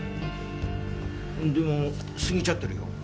でも過ぎちゃってるよ。